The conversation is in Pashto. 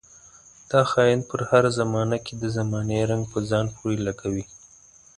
دا خاين پر هره زمانه کې د زمانې رنګ په ځان پورې لګوي.